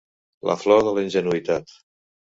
La flor de la ingenuïtat.